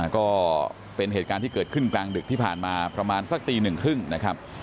ก็เป็นเหตุการณ์ที่เกิดขึ้นกลางดึกที่ผ่านมาประมาณสักตีหนึ่งครึ่งนะครับ